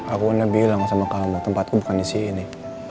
aku udah bilang sama kamu tempatku bukan disini